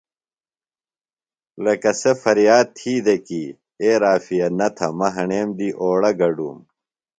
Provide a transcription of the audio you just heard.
لکہ سےۡ فریاد تھی دےۡ کی اے رافعہ نہ تھہ مہ ہݨیم دی اوڑہ گڈُوم۔